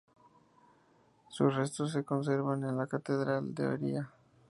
Sus restos se conservan en la catedral de Oria.